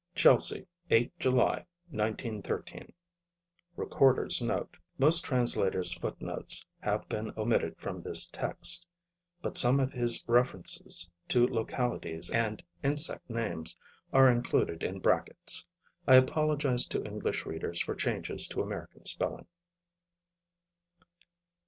Chelsea, 8 July, 1913. [Recorder's Note: Most Translator's Footnotes have been omitted from this text, but some of his references to localities and insect names are included in brackets. I apologize to English readers for changes to American spelling.